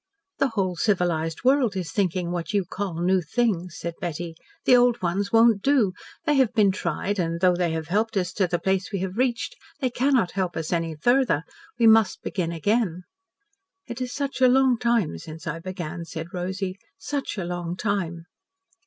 "The whole civilised world is thinking what you call new things," said Betty. "The old ones won't do. They have been tried, and though they have helped us to the place we have reached, they cannot help us any farther. We must begin again." "It is such a long time since I began," said Rosy, "such a long time."